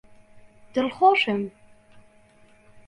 دڵخۆشم!